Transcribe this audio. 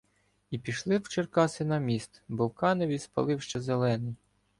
І пішли в Черкаси на міст, бо в Каневі спалив ще Зелений.